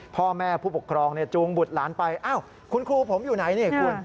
พ่อแม่ผู้ปกครองจูงบุตรหลานไปอ้าวคุณครูผมอยู่ไหนนี่คุณ